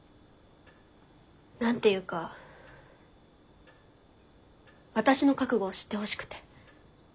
何ていうか私の覚悟を知ってほしくて。